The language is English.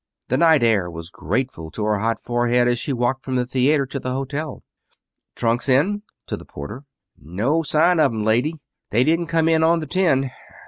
The night air was grateful to her hot forehead as she walked from the theater to the hotel. "Trunks in?" to the porter. "No sign of 'em, lady. They didn't come in on the ten.